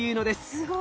すごい！